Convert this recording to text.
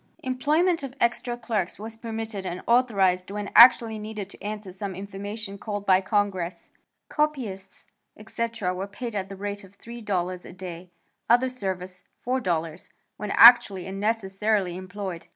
Employment of extra clerks was permitted and authorized when actually needed to answer some information called for by Congress. Copyists, etc., were paid at the rate of $3 a day; other service $4 when actually and necessarily employed.